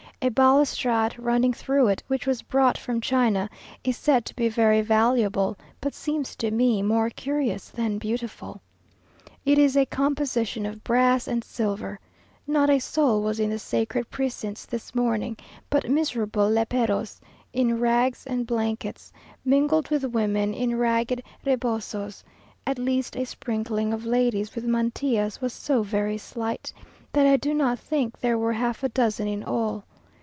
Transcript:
A balustrade running through it, which was brought from China, is said to be very valuable, but seems to me more curious than beautiful. It is a composition of brass and silver. Not a soul was in the sacred precincts this morning but miserable léperos, in rags and blankets, mingled with women in ragged rebosos; at least a sprinkling of ladies with mantillas was so very slight, that I do not think there were half a dozen in all.